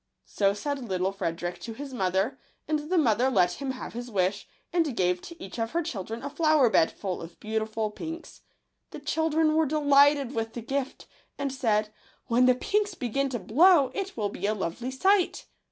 — So said little Frederick to his mother; and the mother let him have his wish, and gave to each of her children a flower bed full of beautiful pinks. The children were delighted with the gift, and said, " When the pinks begin to blow, it will be a lovely sight